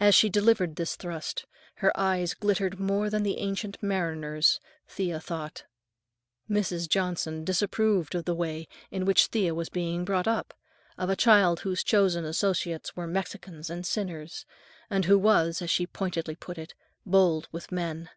As she delivered this thrust, her eyes glittered more than the Ancient Mariner's, Thea thought. Mrs. Johnson disapproved of the way in which Thea was being brought up, of a child whose chosen associates were Mexicans and sinners, and who was, as she pointedly put it, "bold with men."